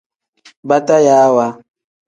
Batayaawa.